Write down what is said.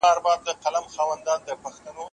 د غرمې ډوډۍ باید سپکه وي.